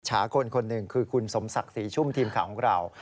ฉากลคนหนึ่งคือคุณสมศักดิ์ศรีชุ่มทีมข่าวของเรา